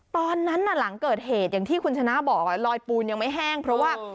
ตอนนั้นน่ะหลังเกิดเหตุอย่างที่คุณชนะบอกลอยปูนยังไม่แห้งเพราะว่า